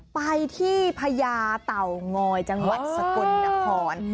ไปที่พญาเต่างอยจังหวัดสกลนคร